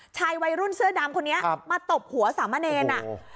ชายวัยรุ่นเสื้อดำคนนี้ครับมาตบหัวสามเณรอ่ะโอ้โห